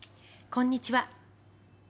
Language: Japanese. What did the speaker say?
こんにちは。